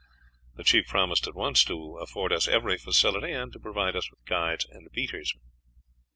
He promised at once to afford us every facility, and to provide us with guides and beaters."